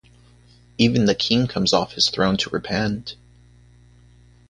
Even the king comes off his throne to repent.